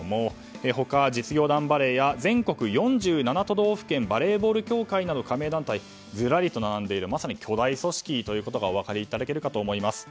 他、実業団バレーや全国４７都道府県バレーボール協会など加盟団体がずらりと並んでいるまさに巨大組織ということがお分かりいただけるかと思います。